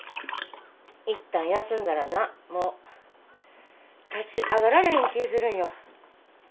いったん休んだらなもう立ち上がられへん気ぃするんよ。